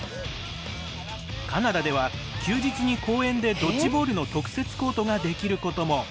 カナダでは休日に公園でドッジボールの特設コートができることも。